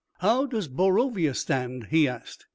"How does Borovia stand?" he asked.